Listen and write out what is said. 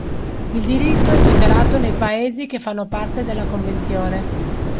Il diritto è tutelato nei paesi che fanno parte della convenzione.